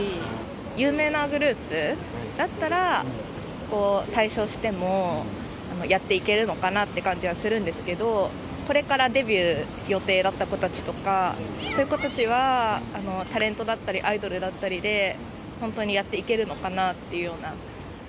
有名なグループだったら、退所しても、やっていけるのかなって感じはするんですけど、これからデビュー予定だった子たちとか、そういう子たちは、タレントだったり、アイドルだったりで本当にやっていけるのかなっていうような。